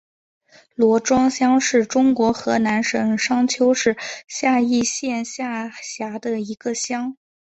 罗庄乡是中国河南省商丘市夏邑县下辖的一个乡。